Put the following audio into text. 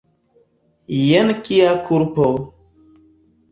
Jen kia kulpo!